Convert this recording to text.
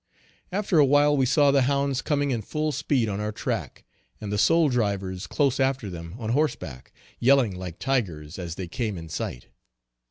After awhile we saw the hounds coming in full speed on our track, and the soul drivers close after them on horse back, yelling like tigers, as they came in sight.